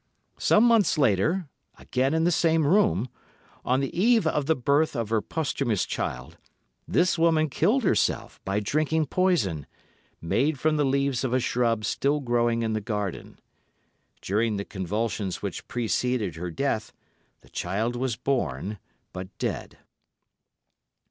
Some months later, again in the same room, on the eve of the birth of her posthumous child, this woman killed herself by drinking poison, made from the leaves of a shrub still growing in the garden. During the convulsions which preceded her death, the child was born, but dead.